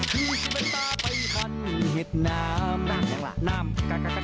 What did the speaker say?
คือที่มันตาไปฝันเห็ดน้ำน้ำน้ำน้ำน้ำน้ำน้ำ